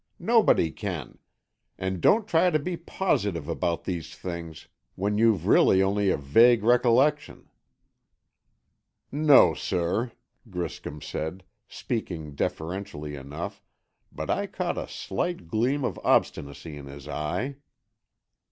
Nobody can. And don't try to be positive about these things when you've really only a vague recollection." "No, sir," Griscom said, speaking deferentially enough, but I caught a slight gleam of obstinacy in his eye.